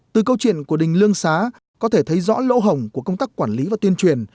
từ câu chuyện của đình lương xá có thể thấy rõ lỗ hồng của công tác quản lý và tuyên truyền